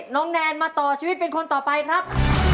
แนนมาต่อชีวิตเป็นคนต่อไปครับ